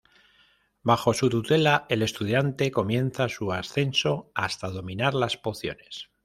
Bajo su tutela, el estudiante comienza su ascenso hasta dominar las pociones.